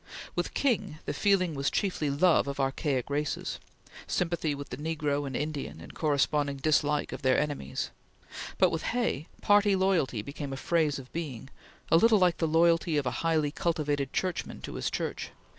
With King, the feeling was chiefly love of archaic races; sympathy with the negro and Indian and corresponding dislike of their enemies; but with Hay, party loyalty became a phase of being, a little like the loyalty of a highly cultivated churchman to his Church.